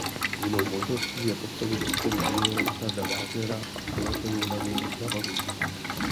Jinou možností je postavit do středu dílo Richarda Wagnera a skladatelů na něj navazujících.